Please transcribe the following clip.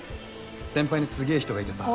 先輩にすげぇ人がいてさ。